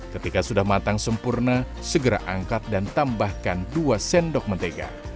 ketika sudah matang sempurna segera angkat dan tambahkan dua sendok mentega